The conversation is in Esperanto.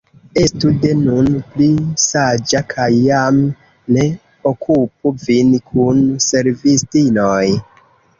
Estu de nun pli saĝa kaj jam ne okupu vin kun servistinoj.